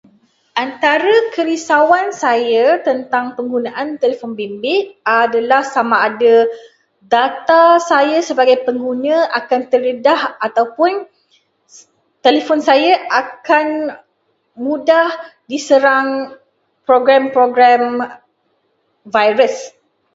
Antara kerisauan saya tentang penggunaan telefon bimbit adalah sama ada data saya sebagai pengguna akan terdedah, ataupun telefon saya akan mudah diserang program-program virus.